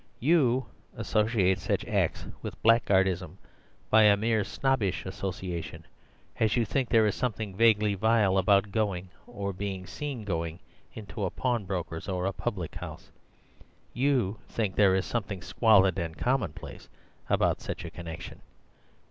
You associate such acts with blackguardism by a mere snobbish association, as you think there is something vaguely vile about going (or being seen going) into a pawnbroker's or a public house. You think there is something squalid and commonplace about such a connection.